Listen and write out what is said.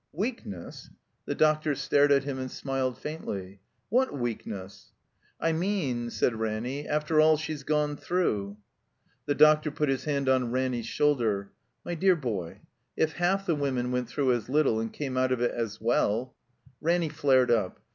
''Weakness?" The doctor stared at him and smiled faintly. "What weakness?" ''I mean," said Ranny, '"after all she's gone through." The doctor put his hand on Ranny's shotdder. "My dear boy, if half the women went through as little and came out of it as well —" Ranny flared up.